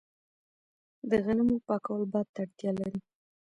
د غنمو پاکول باد ته اړتیا لري.